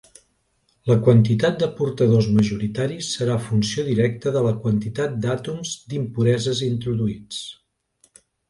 La quantitat de portadors majoritaris serà funció directa de la quantitat d'àtoms d'impureses introduïts.